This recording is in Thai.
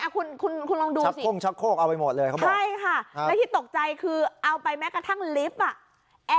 คุณลองดูสิใช่ค่ะแล้วที่ตกใจคือเอาไปแม้กระทั่งลิฟท์อ่ะ